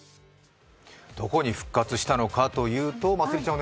どこに復活したかというとまつりちゃん